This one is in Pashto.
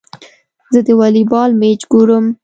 زه د والي بال مېچ ګورم.